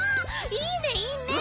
いいねいいね！